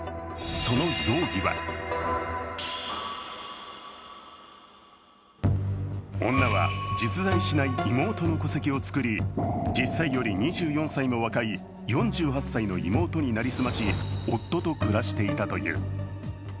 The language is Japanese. その容疑は女は、実在しない妹の戸籍を作り実際より２４歳も若い４８歳の妹に成り済まし、夫と暮らしていたという。